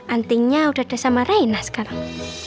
antingnya udah ada sama reyna sekarang